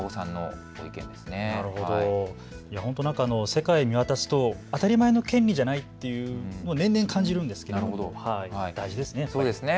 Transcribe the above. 世界、見渡すと当たり前の権利じゃないっていう、年々、感じるんですけれども大事ですね。